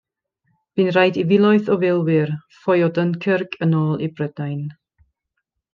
Bu'n rhaid i filoedd o filwyr ffoi o Dunkirk yn ôl i Brydain.